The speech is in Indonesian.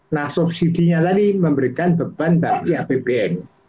nah subsidi nya tadi memberikan beban bagi apbn